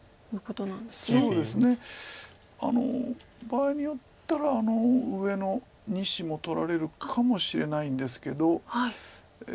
場合によったら上の２子も取られるかもしれないんですけど。